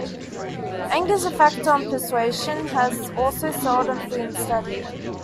Anger's effect on persuasion has also seldom been studied.